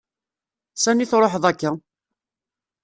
S ani truḥeḍ akka?